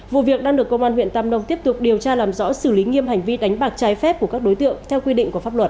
vụ việc đang được công an huyện tam nông tiếp tục điều tra làm rõ xử lý nghiêm hành vi đánh bạc trái phép của các đối tượng theo quy định của pháp luật